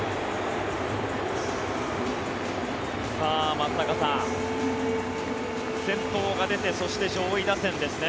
松坂さん、先頭が出てそして上位打線ですね